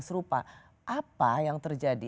serupa apa yang terjadi